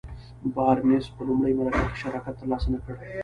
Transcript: بارنس په لومړۍ مرکه کې شراکت تر لاسه نه کړ.